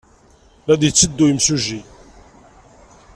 La d-yetteddu yimsujji.